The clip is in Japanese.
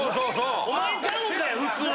お前ちゃうんか⁉や普通は。